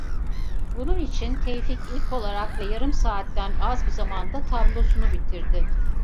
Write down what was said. Bunun için Tevfik ilk olarak ve yarım saatten az bir zamanda tablosunu bitirdi.